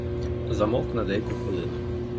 Замовк на деяку хвилину.